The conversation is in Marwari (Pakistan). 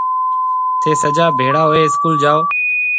ٿَي سجا ڀيڙا هوئي جاو اسڪول